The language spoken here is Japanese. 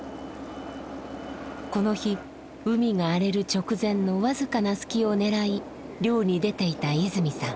この日海が荒れる直前のわずかな隙をねらい漁に出ていた泉さん。